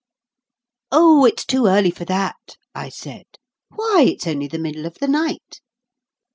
"Oh, it's too early for that," I said. "Why, it's only the middle of the night."